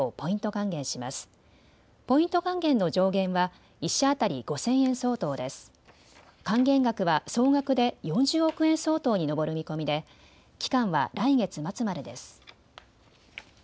還元額は総額で４００億円相当に上る見込みで期間は来月末までです。